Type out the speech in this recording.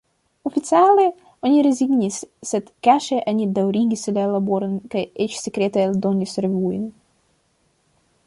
Oficiale, oni rezignis, sed kaŝe oni daŭrigis la laborojn kaj eĉ sekrete eldonis revuon.